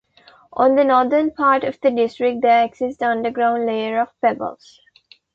On the northern part of the district there exists underground layer of pebbles.